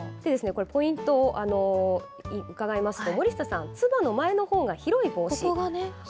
これ、ポイントを伺いますと、森下さん、つばの前のほうが広い帽子。